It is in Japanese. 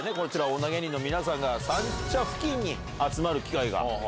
女芸人の皆さんが三茶付近に集まる機会が多い。